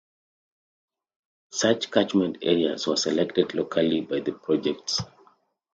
Such catchment areas were selected locally by the projects.